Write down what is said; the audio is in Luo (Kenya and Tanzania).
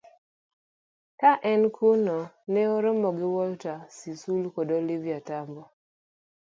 Ka en kuno, ne oromo gi Walter Sisulu kod Oliver Tambo